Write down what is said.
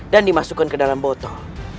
dan dimasukkan ke dalam botol